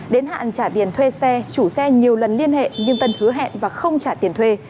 đến hạn trả tiền thuê xe chủ xe nhiều lần liên hệ nhưng tân hứa hẹn và không trả tiền thuê